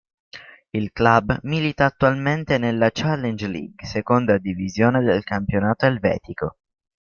Il club milita attualmente nella Challenge League, seconda divisione del campionato elvetico.